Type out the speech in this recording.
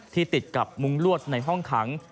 ติดกับมุ้งลวดในห้องขัง